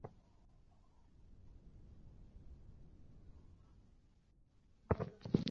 জুভেন্টাসের বর্তমান সভাপতি আন্দ্রেয়া আগনেল্লিই রোনালদোর ব্যাপারে সবচেয়ে বেশি আগ্রহ দেখাচ্ছেন।